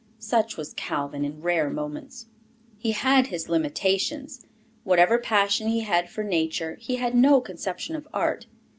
Such was Calvin in rare moments. He had his limitations. Whatever passion he had for nature, he had no conception of art.